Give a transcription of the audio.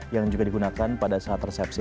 yang juga digunakan pada saat resepsi